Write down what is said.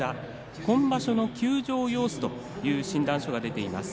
今場所の休場を要すという診断書が出ています。